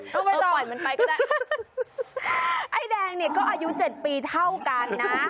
น้องเว้ยต้นไอ้แดงนี่ก็อายุ๗ปีเท่ากันนะ